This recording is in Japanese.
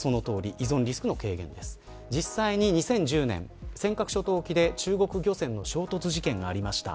実際に２０１０年尖閣諸島沖で中国漁船の衝突事件がありました。